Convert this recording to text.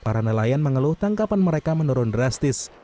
para nelayan mengeluh tangkapan mereka menurun drastis